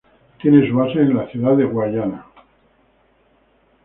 Tiene su base en Ciudad Guayana.